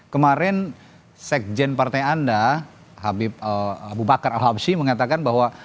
kemarin sekjen partai anda habib abu bakar al habshi mengatakan bahwa